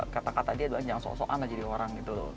kata kata dia bilang jangan so so an aja di orang gitu loh